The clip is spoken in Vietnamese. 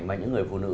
mà những người phụ nữ